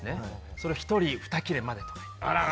それを１人２切れまでと。